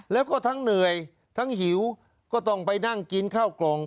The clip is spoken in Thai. แล้วก็ทั้งเหนื่อยทั้งหิวก็ต้องไปนั่งกินข้าวกล่อง